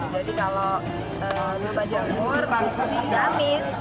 jadi kalau di rumah jamur tidak amis